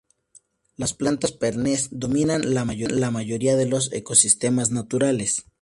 Las plantas perennes dominan la mayoría de los ecosistemas naturales.